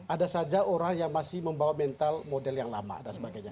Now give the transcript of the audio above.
ada saja orang yang masih membawa mental model yang lama dan sebagainya